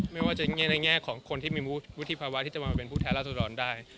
ไม่ว่าจะเป็นแง่ของคนที่มีวิธีพบาปมาเป็นผู้แท้รัฐธรรมได้